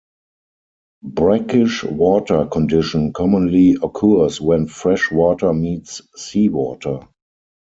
Brackish water condition commonly occurs when fresh water meets seawater.